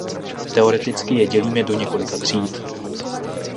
Teoreticky je dělíme do několika tříd.